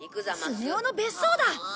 スネ夫の別荘だ。